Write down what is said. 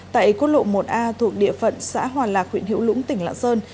tại quốc lộ một a thuộc địa phận xã hoàn lạc huyện hiễu lũng tỉnh lạng sơn